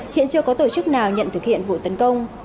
hiện chưa có tổ chức nào nhận thực hiện vụ tấn công